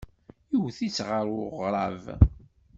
Iwet-itt ɣer uɣrab.